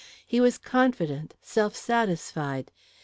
He was confident, self satisfied.